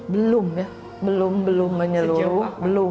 belum ya belum belum menyeluruh belum